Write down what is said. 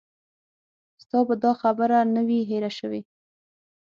ستا به دا خبره نه وي هېره شوې.